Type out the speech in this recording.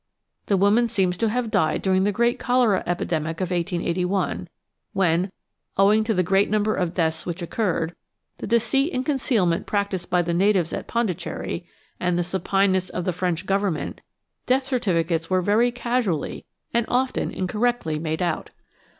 The woman seems to have died during the great cholera epidemic of 1881, when, owing to the great number of deaths which occurred, the deceit and concealment practised by the natives at Pondicherry, and the supineness of the French Government, death certificates were very casually and often incorrectly made out.